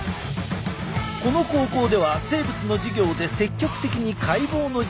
この高校では生物の授業で積極的に解剖の実習を行っている。